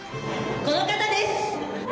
・この方です！